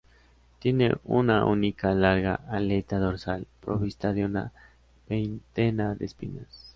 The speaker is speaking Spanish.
Tiene una única larga aleta dorsal, provista de una veintena de espinas.